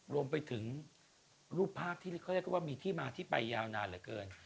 รวมไปถึงรูปภาพที่เขาเรียกว่ามีที่มาที่ไปยาวนานเหลือเกิน